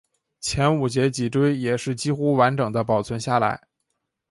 前五节背椎也是几乎完整地保存下来。